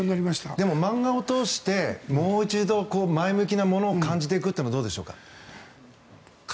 でも、漫画を通してもう一度、前向きなものを感じていくというのはどうでしょうか。